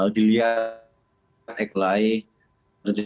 jelajah ekonomi yang baik